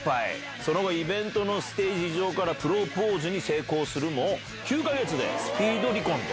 その後、イベントのステージ上からプロポーズに成功するも、９か月でスピード離婚と。